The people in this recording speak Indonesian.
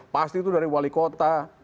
pasti itu dari wali kota